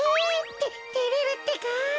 ててれるってか。